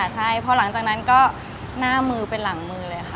ใช่พอหลังจากนั้นก็หน้ามือเป็นหลังมือเลยค่ะ